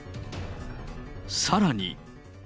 さらに。